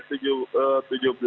lima belas kami mendapat informasi